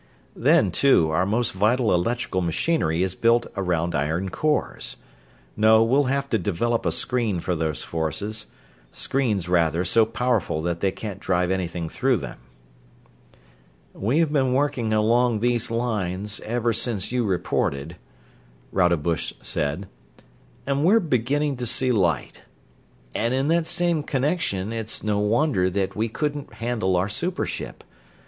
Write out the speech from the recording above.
"Then, too, our most vital electrical machinery is built around iron cores. No, we'll have to develop a screen for those forces screens, rather, so powerful that they can't drive anything through them." "We've been working along those lines ever since you reported," Rodebush said, "and we're beginning to see light. And in that same connection it's no wonder that we couldn't handle our super ship.